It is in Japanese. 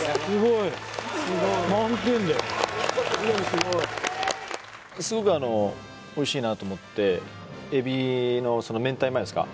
すごいすごくおいしいなと思ってエビのその明太マヨっすか？